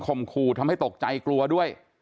ขู่ทำให้ตกใจกลัวด้วย